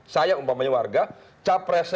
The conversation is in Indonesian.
saya umpamanya warga capresnya